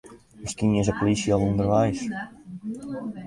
Miskien is de plysje al ûnderweis.